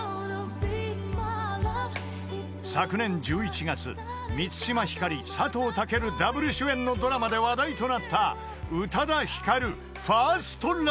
［昨年１１月満島ひかり佐藤健ダブル主演のドラマで話題となった］